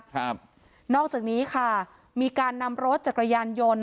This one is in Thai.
ครับนอกจากนี้ค่ะมีการนำรถจักรยานยนต์